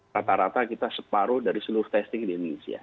rata rata kita separuh dari seluruh testing di indonesia